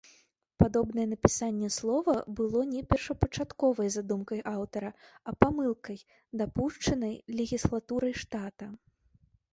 Падобнае напісанне слова было не першапачатковай задумкай аўтара, а памылкай, дапушчанай легіслатурай штата.